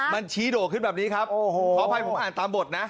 มันชี้โดดขึ้นแบบนี้ครับขออภัยผมอ่านตามบทนะ